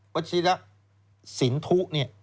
วัชฌีละสินทุ